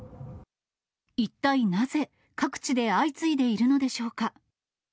一体なぜ、各地で相次いでいるのでしょうか。